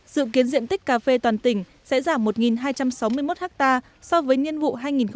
sự kiến diện tích cà phê toàn tỉnh sẽ giảm một hai trăm sáu mươi một ha so với niên vụ hai nghìn một mươi sáu hai nghìn một mươi bảy